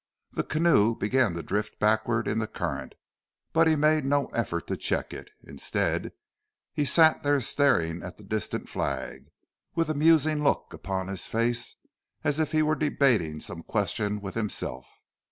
The canoe began to drift backward in the current, but he made no effort to check it, instead, he sat there staring at the distant flag, with a musing look upon his face, as if he were debating some question with himself.